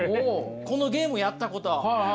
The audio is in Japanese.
このゲームやったこと。